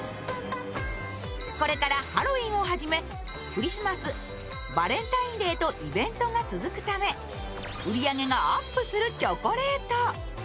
これからハロウィーンをはじめクリスマス、バレンタインデーとイベントが続くため売り上げがアップするチョコレート。